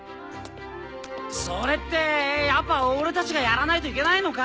それってやっぱ俺たちがやらないといけないのか？